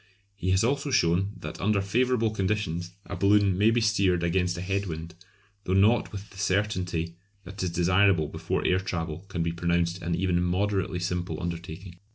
He has also shown that under favourable conditions a balloon may be steered against a head wind, though not with the certainty that is desirable before air travel can be pronounced an even moderately simple undertaking.